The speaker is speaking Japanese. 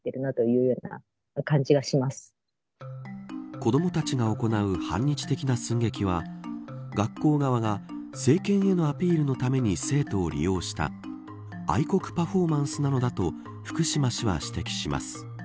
子どもたちが行う反日的な寸劇は学校側が政権へのアピールのために生徒を利用した愛国パフォーマンスなのだと福島氏は指摘しています。